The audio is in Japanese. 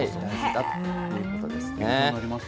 ということですね。